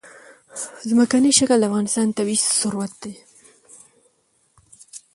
ځمکنی شکل د افغانستان طبعي ثروت دی.